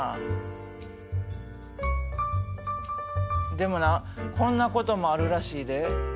でもなこんなこともあるらしいで。